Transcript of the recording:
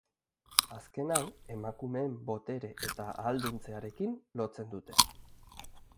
Azken hau emakumeen botere eta ahalduntzearekin lotzen dute.